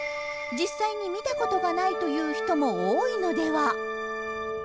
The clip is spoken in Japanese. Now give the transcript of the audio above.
実際に見たことがないという人も多いのでは？